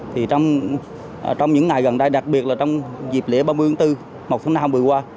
trong những ngày gần đây đặc biệt là trong dịp lễ ba mươi bốn một tháng năm vừa qua